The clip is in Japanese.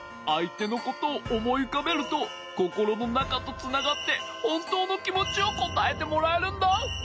あいてのことをおもいうかべるとココロのなかとつながってほんとうのきもちをこたえてもらえるんだ。